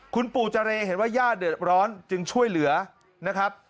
คุณปู่เจรเห็นว่าญาติเดือดร้อนจึงช่วยเหลือนะครับ